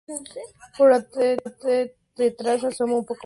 Por detrás asoma un poco más elevado un ábside a cuatro aguas.